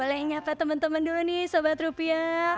boleh nyapa teman teman dulu nih sahabat rupiah